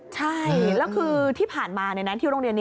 ใช่แล้วคือที่ผ่านมาในแน็ตทิวโรงเรียนนี้